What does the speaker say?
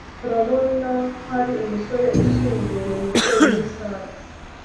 turabonahari umusore ushinguye wicaye muri salle